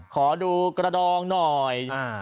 ขอดูกระดองหน่อย